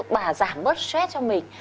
bà giảm bớt stress cho mình